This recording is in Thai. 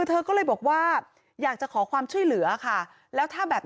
เธอก็เลยบอกว่าอยากจะขอความช่วยเหลือค่ะแล้วถ้าแบบ